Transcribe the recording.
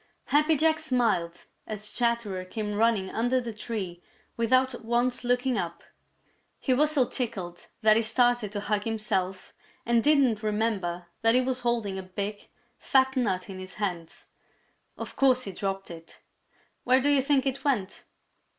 Happy Jack smiled as Chatterer came running under the tree without once looking up. He was so tickled that he started to hug himself and didn't remember that he was holding a big, fat nut in his hands. Of course he dropped it. Where do you think it went?